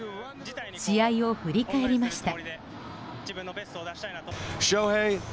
試合を振り返りました。